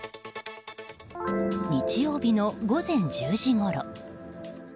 日曜日の午前１０時ごろ。